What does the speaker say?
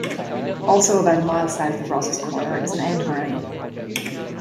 Also about a mile south of Ross's Corner is an end moraine.